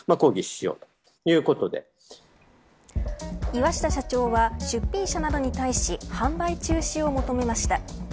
岩下社長は出品者などに対し販売中止を求めました。